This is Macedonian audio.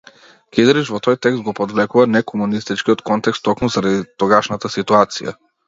Кидрич во тој текст го подвлекува некомунистичкиот контекст токму заради тогашната ситуација.